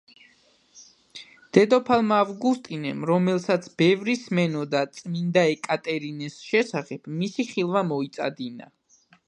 დედოფალმა ავგუსტამ, რომელსაც ბევრი სმენოდა წმინდა ეკატერინეს შესახებ, მისი ხილვა მოიწადინა.